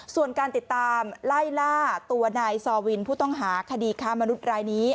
ส่วนการติดตามไล่ล่าตัวนายซอวินผู้ต้องหาคดีค้ามนุษย์รายนี้